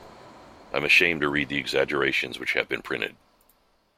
I'm ashamed to read the exaggerations which have been printed"".